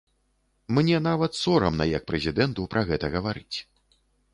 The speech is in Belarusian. Мне нават сорамна як прэзідэнту пра гэта гаварыць.